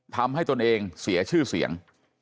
ทำให้ตัวเองเสียชื่อเสียง